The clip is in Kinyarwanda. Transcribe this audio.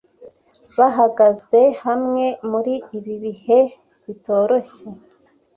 bahagaze hamwe muri ibi bihe bitoroshye